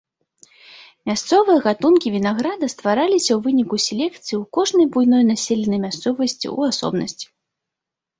Мясцовыя гатункі вінаграда ствараліся ў выніку селекцыі ў кожнай буйной населенай мясцовасці ў асобнасці.